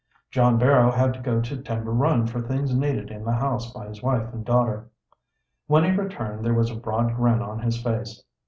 John Barrow had to go to Timber Run for things needed in the house by his wife and daughter. When he returned there was a broad grin on his face.